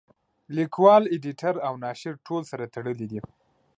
لیکوال اېډیټر او ناشر ټول سره تړلي دي.